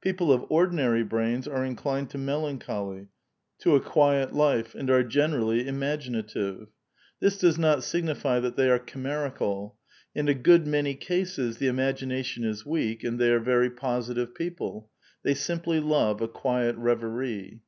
People of ordinary brains are in clined to melancholy, to a quiet life, and are generally imagi native. This does not signify that they are chimerical. In a good many cases the imagination is weak and they are very positive people. They simply love a quiet revery.